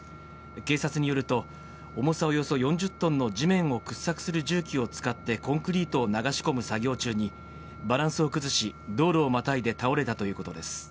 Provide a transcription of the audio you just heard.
警察によると、重さおよそ４０トンの地面を掘削する重機を使ってコンクリートを流し込む作業中に、バランスを崩し、道路をまたいで倒れたということです。